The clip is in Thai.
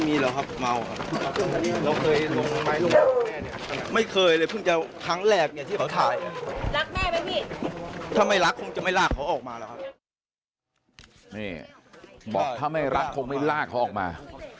นี่บอกถ้าไม่รักคงไม่ลากเขาออกมา